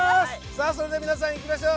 さあそれでは皆さんいきましょう。